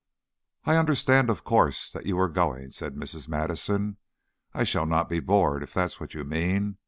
"I understand, of course, that you are going," said Mrs. Madison. "I shall not be bored, if that is what you mean.